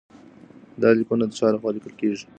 دا لیکونه د چا لخوا لیکل کیږي؟